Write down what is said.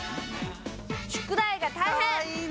「宿題が大変！」